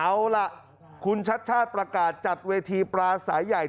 เอาล่ะคุณชัดชาติประกาศจัดเวทีปลาสายใหญ่